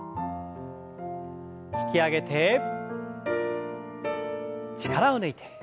引き上げて力を抜いて。